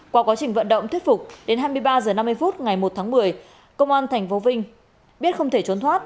qua quá trình vận động thuyết phục đến hai mươi ba h năm mươi phút ngày một tháng một mươi công an tp vinh biết không thể trốn thoát